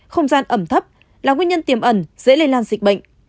không gian ẩm thấp là nguyên nhân tiềm ẩn dễ lây lan dịch bệnh